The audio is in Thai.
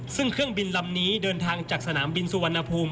ซึ่งเครื่องบินลำนี้เดินทางจากสนามบินสุวรรณภูมิ